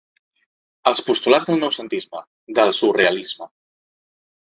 Els postulats del noucentisme, del surrealisme.